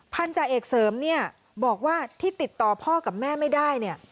พันธาเอกเสริมบอกว่าที่ติดต่อพ่อกับแม่ไม่ได้